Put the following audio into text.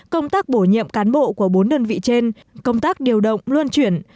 công tác bổ nhiệm cán bộ của bốn đơn vị trên công tác điều động luân chuyển